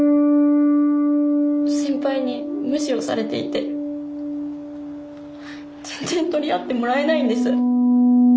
先輩に無視をされていて全然取り合ってもらえないんです。